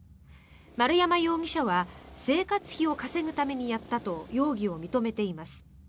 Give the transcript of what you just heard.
丸山容疑者は生活費を稼ぐためにやったと容疑を認めています。